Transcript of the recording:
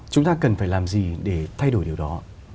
chúng ta cần phải làm gì để thay đổi điều đó